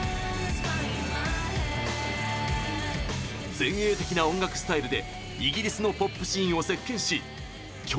前衛的な音楽スタイルでイギリスのポップシーンを席けんし、去年リリースした